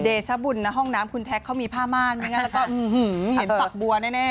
ชบุญนะห้องน้ำคุณแท็กเขามีผ้าม่านไม่งั้นแล้วก็เห็นฝักบัวแน่